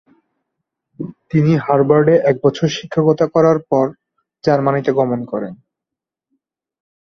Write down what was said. তিনি হার্ভার্ডে এক বছর শিক্ষকতা করার পর জার্মানিতে গমন করেন।